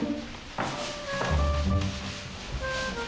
oh jadi ternyata kalian ya